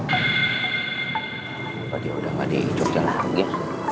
kalau dia udah gak di jogja langsung ya